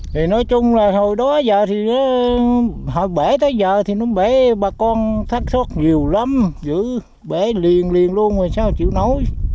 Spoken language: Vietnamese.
thì nói chung là hồi đó giờ thì nó bể tới giờ thì nó bể bà con thất thoát nhiều lắm giữ bể liền liền luôn rồi sao chịu nổi